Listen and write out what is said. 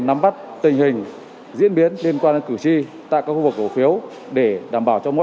đảm bảo trật tự an toàn hợp thông